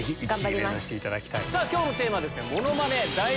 今日のテーマは。